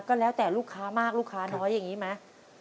ก็แล้วแต่ลูกค้ามากลูกค้าน้อยอย่างนี้ไหม